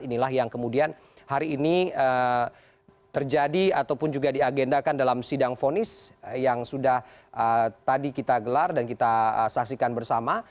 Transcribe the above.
inilah yang kemudian hari ini terjadi ataupun juga diagendakan dalam sidang fonis yang sudah tadi kita gelar dan kita saksikan bersama